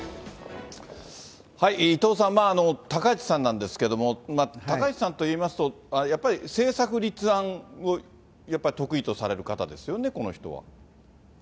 伊藤さん、高市さんなんですけれども、高市さんといいますと、やっぱり政策立案をやっぱり得意とされる方ですよね、この人は。